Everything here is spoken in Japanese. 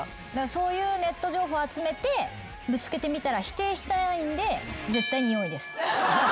そういうネット情報集めてぶつけてみたら否定しないんで。